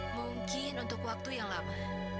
mungkin untuk waktu yang lama